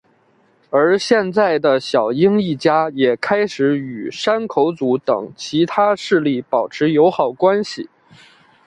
而现在的小樱一家也开始与山口组等其他势力保持友好关系。